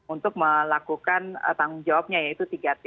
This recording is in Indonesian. untuk melakukan tanggung jawabnya yaitu tiga t